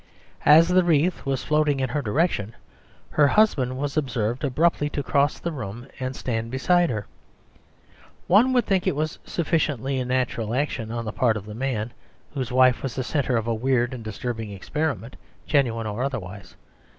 As the wreath was floating in her direction, her husband was observed abruptly to cross the room and stand beside her. One would think it was a sufficiently natural action on the part of a man whose wife was the centre of a weird and disturbing experiment, genuine or otherwise.